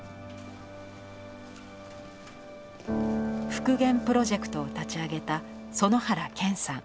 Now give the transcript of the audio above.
復元プロジェクトを立ち上げた園原謙さん。